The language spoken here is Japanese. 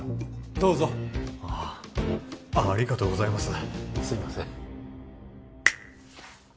どうぞありがとうございますすいません